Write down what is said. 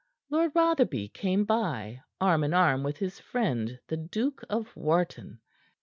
Lord Rotherby came by, arm in arm with his friend, the Duke of Wharton.